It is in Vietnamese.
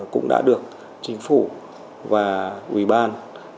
cũng đã được chính phủ và uban